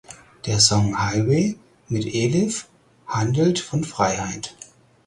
Der Song "Highway" mit Elif handelt von Freiheit.